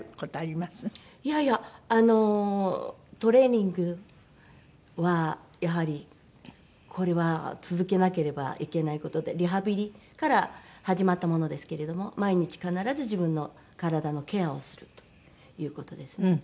いやいやあのトレーニングはやはりこれは続けなければいけない事でリハビリから始まったものですけれども毎日必ず自分の体のケアをするという事ですね。